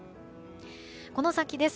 この先です。